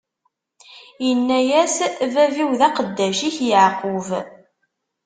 Ini-yas: Bab-iw, d aqeddac-ik Yeɛqub.